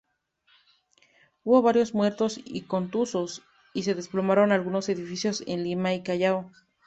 Hubo varios muertos y contusos, y se desplomaron algunos edificios en Lima y Callao.